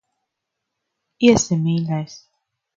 Iesim, mīļais.